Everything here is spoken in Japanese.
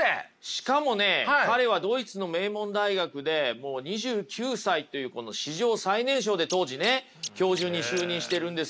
しかもね彼はドイツの名門大学でもう２９歳というこの史上最年少で当時ね教授に就任してるんですよ。